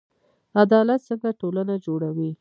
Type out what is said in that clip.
عدالت څنګه ټولنه جوړوي؟